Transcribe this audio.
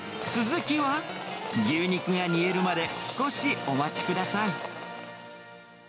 続きは、牛肉が煮えるまで少しお待ちください。